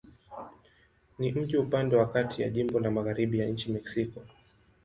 Ni mji upande wa kati ya jimbo na magharibi ya nchi Mexiko.